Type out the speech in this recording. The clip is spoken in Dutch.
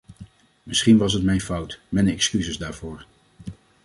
Misschien was het mijn fout, mijn excuses daarvoor.